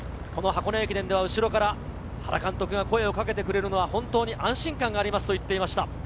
箱根駅伝では後ろから原監督が声をかけてくれるのは本当に安心感がありますと話していました。